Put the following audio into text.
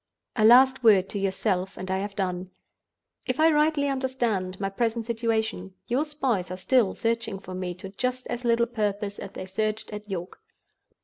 "A last word to yourself and I have done: "If I rightly understand my present situation, your spies are still searching for me to just as little purpose as they searched at York.